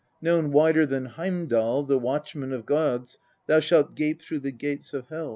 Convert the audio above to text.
Known wider than Heimdal the Watchman of gods, thou shalt gape through the gates of Hel.